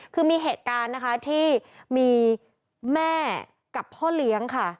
คือมีเหตุการณ์นะคะที่มีแม่กับพ่อเลี้ยงค่ะ